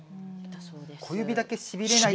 小指だけしびれない。